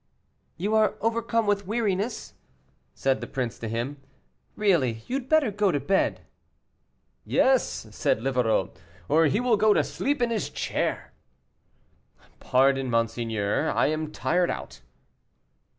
"You are overcome with weariness," said the prince to him, "really, you had better go to bed." "Yes," said Livarot, "or he will go to sleep in his chair." "Pardon, monseigneur, I am tired out."